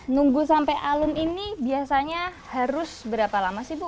nunggu sampai alun ini biasanya harus berapa lama sih bu